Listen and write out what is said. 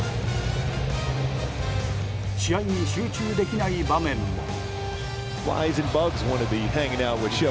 試合に集中できない場面も。